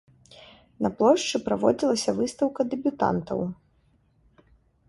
На плошчы праводзілася выстаўка дэбютантаў.